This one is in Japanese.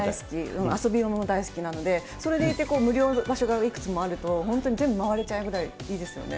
遊びも大好きなので、それでいて無料の場所がいくつもあると本当に全部回れちゃうぐらい、いいですよね。